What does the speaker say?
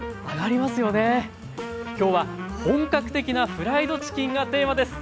今日は本格的なフライドチキンがテーマです。